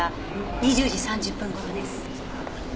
２０時３０分頃です。